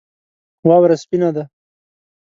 واوره سپینه ده